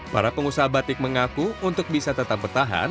para pengusaha batik mengaku untuk bisa tetap bertahan